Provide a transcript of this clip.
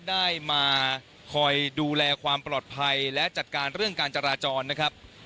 ได้มาคอยดูแลความปลอดภัยและจัดการเรื่องการจราจรนะครับ